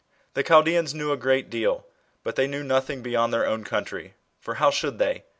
The Chaldeans knew a great deal, but they knew nothing beyond their own country, for how should they